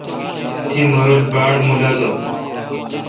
تی مہ رل باڑ ملازہ۔